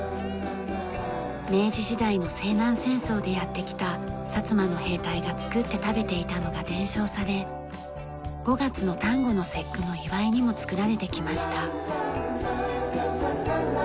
明治時代の西南戦争でやって来た薩摩の兵隊が作って食べていたのが伝承され５月の「端午の節句」の祝いにも作られてきました。